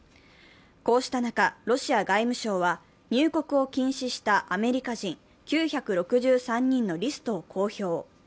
こうした中、ロシア外務省は入国を禁止したアメリカ人、９６３人のリストを公表。